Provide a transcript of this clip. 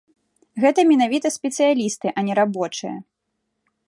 Гэта менавіта спецыялісты, а не рабочыя.